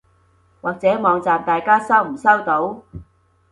或者網站大家收唔收到？